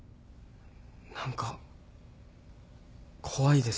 何か怖いですね。